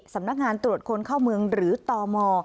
สำนักงานตรวจคนเข้าเมืองหรือตม